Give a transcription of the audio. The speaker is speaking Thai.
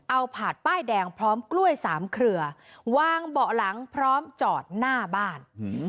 เอาผาดป้ายแดงพร้อมกล้วยสามเครือวางเบาะหลังพร้อมจอดหน้าบ้าน